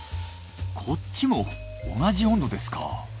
こっちも同じ温度ですか？